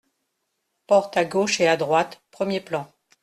Porte à gauche et à droite, premier plan.